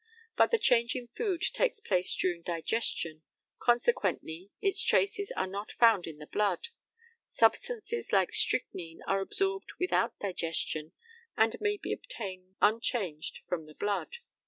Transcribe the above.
But the change in food takes place during digestion; consequently its traces are not found in the blood. Substances like strychnine are absorbed without digestion, and may be obtained unchanged from the blood.